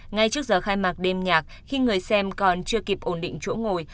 ngay trước giờ khai mạc đêm nhạc khi người xem còn chưa kịp ổn định chỗ ngồi